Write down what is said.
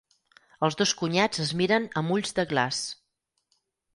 Els dos cunyats es miren amb ulls de glaç.